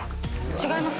違います